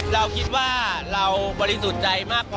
เราคิดว่าเราบริสุทธิ์ใจมากพอ